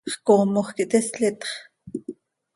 ¿Xcoomoj quih tislitx?